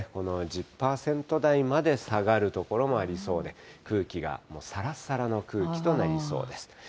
１０％台まで下がる所もありそうで、空気がさらさらの空気となりそうです。